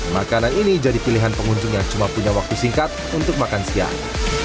makanan ini jadi pilihan pengunjung yang cuma punya waktu singkat untuk makan siang